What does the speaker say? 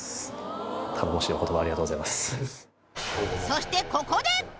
そしてここで！